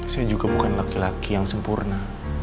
saya juga bukan laki laki yang sempurna